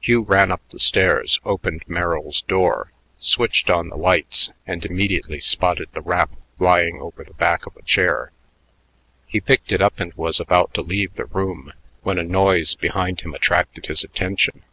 Hugh ran up the stairs, opened Merrill's door, switched on the lights, and immediately spotted the wrap lying over the back of a chair. He picked it up and was about to leave the room when a noise behind him attracted his attention.